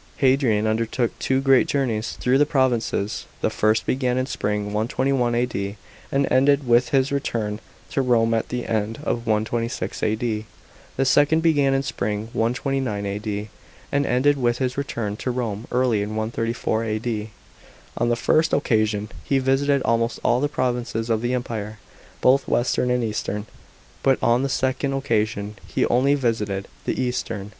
§ 8. Hadrian undertook two great journeys through the provinces. The first began in spring 121 A.D. and ended with his return to Rome at the end of 126 A.D. The second began in spring 129 A.D. and ended with his return to Rome early in 134 A.D. On the first occasion he visited almost all the provinces of the Empire, both western and eastern. But on the second occasion he only visited the eastern.